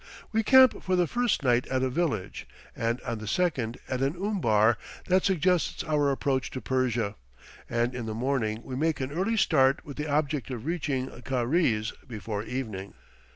We camp for the first night at a village, and on the second at an umbar that suggests our approach to Persia, and in the morning we make an early start with the object of reaching Karize before evening.